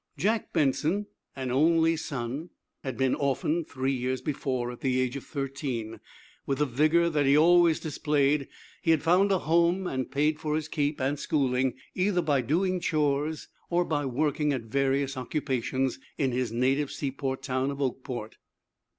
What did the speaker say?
Jack Benson, an only son, had been orphaned, three years before, at the age of thirteen. With the vigor that he always displayed, he had found a home and paid for his keep and schooling, either by doing chores, or by working at various occupations in his native seaport town of Oakport.